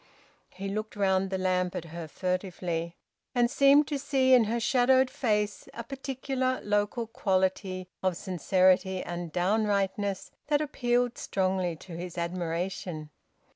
He looked round the lamp at her furtively, and seemed to see in her shadowed face a particular local quality of sincerity and downrightness that appealed strongly to his admiration.